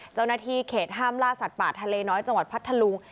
เจ้าหน้าที่เขตห้ามล่าสัตว์ป่าทะเลน้อยจังหวัดพัทธลุง